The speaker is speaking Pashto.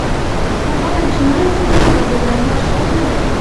هغه وویل چې ورسیږې دا دومره غټ شی نه دی.